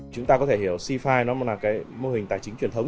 chúng ta có thể hiểu c năm là mô hình tài chính truyền thống